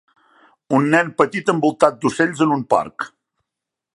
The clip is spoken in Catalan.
Un nen petit envoltat d'ocells en un parc.